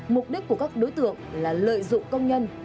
mục đích của các đối tượng là lợi dụng công nhân